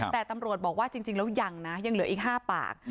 แต่ตำรวจบอกว่าจริงแล้วยังนะยังเหลืออีก๕ปาก